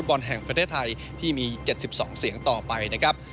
บอลแห่งประเทศไทยที่มี๗๒เสียงต่อไปนะครับ